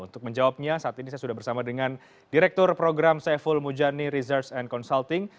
untuk menjawabnya saat ini saya sudah bersama dengan direktur program saiful mujani research and consulting